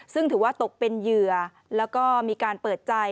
ซึ่งถือว่าตกเป็นเหยื่อแล้วก็มีการเปิดใจ